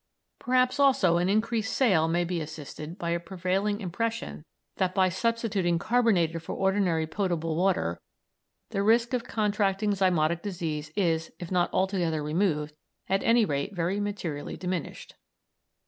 Perhaps also an increased sale may be assisted by a prevailing impression that by substituting carbonated for ordinary potable water, the risk of contracting zymotic disease is, if not altogether removed, at any rate very materially diminished.